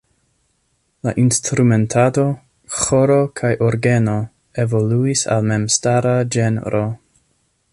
La instrumentado "ĥoro kaj orgeno" evoluis al memstara ĝenro.